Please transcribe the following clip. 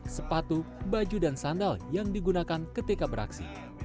sepatu baju dan sandal yang digunakan ketika beraksi